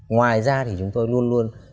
ngoài ra thì chúng tôi luôn luôn